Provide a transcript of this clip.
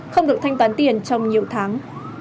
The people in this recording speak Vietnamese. không được thanh toán tiền trong nhiều tháng